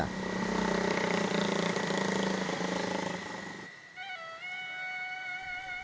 dari hirug pikuk jakarta kita juga harus tahu bagaimana kopi ditanam diproses hingga disajikan di meja kita